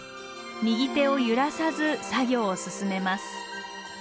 右手を揺らさず作業を進めます。